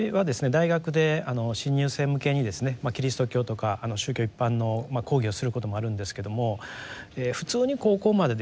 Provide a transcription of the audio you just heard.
大学で新入生向けにですねキリスト教とか宗教一般の講義をすることもあるんですけども普通に高校までですね